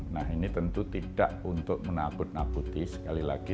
nah ini tentu tidak untuk menakut nakuti sekali lagi